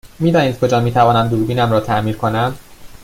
می دانید کجا می تونم دوربینم را تعمیر کنم؟